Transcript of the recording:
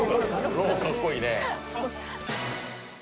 「“ろ”かっこいいね」